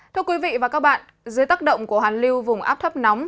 thưa quý vị và các bạn dưới tắc động của hàn liêu vùng áp thấp nóng